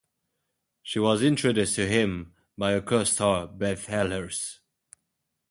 She was introduced to him by her co-star Beth Ehlers.